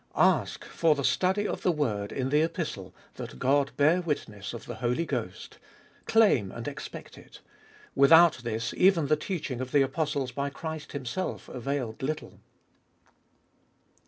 Ash, for the study of the Word in the Epistle, that God bear witness of the Holy Ghost. Claim and expect it. Without this, even the teaching of the apostles by Christ Himself availed little.